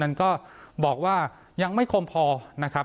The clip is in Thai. ก็บอกว่ายังไม่คมพอนะครับ